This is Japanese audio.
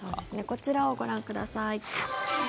こちらをご覧ください。